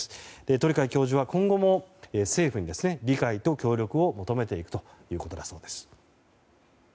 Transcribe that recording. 鳥養教授は今後も政府に理解と協力を求めていくということだそうです。